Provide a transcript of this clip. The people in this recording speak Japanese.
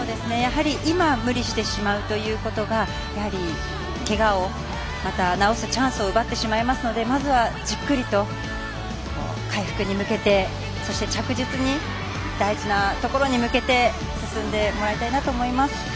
今、無理してしまうということがけがをまた治すチャンスを奪ってしまいますのでまずはじっくりと回復に向けて着実に大事なところに向けて進んでもらいたいなと思います。